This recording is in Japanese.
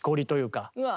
うわ。